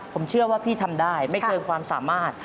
ผมเชื่อว่าพี่ทำได้ไม่เกินความสามารถ